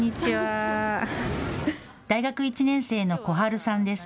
大学１年生の小春さんです。